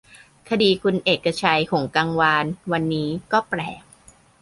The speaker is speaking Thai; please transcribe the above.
คดีคุณเอกชัย หงส์กังวาน วันนี้ ก็แปลก